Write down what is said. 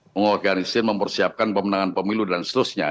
mengorganisir mempersiapkan pemenangan pemilu dan seterusnya